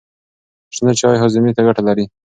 شنه چای هاضمې ته ګټه لري.